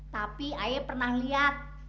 tapi ayo pernah liat